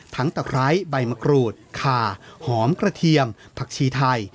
ตะไคร้ใบมะกรูดคาหอมกระเทียมผักชีไทย